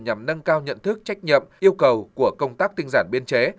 nhằm nâng cao nhận thức trách nhiệm yêu cầu của công tác tinh giản biên chế